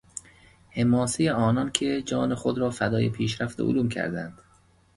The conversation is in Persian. حماسهی آنانکه جان خود را فدای پیشرفت علوم کردند